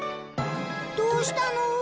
どうしたの？